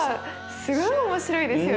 すごい面白いですよね。